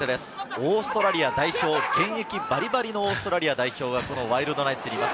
オーストラリア代表、現役バリバリのオーストラリア代表がワイルドナイツにいます。